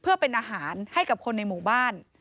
เพื่อเป็นอาหารให้กับคนในหมู่บ้าน